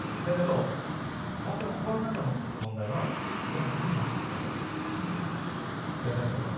だけど本当の心の中の問題はどんどんどんどんまっすぐになりたいなと。